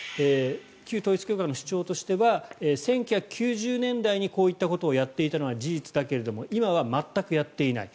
旧統一教会の主張としては１９９０年代にこういったことをやっていたのは事実だけれども今は全くやっていない。